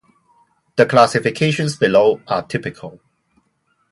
The classifications below are typical.